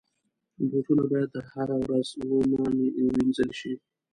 بوټونه باید هره ورځ ونه وینځل شي.